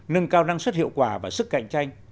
nâng cao năng suất hiệu quả và sức cạnh tranh